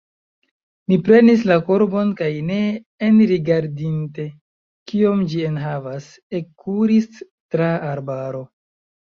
Mi prenis la korbon kaj ne enrigardinte, kion ĝi enhavas, ekkuris tra arbaro.